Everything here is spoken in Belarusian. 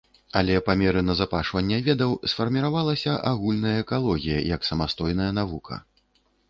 Але па меры назапашвання ведаў сфарміравалася агульная экалогія як самастойная навука.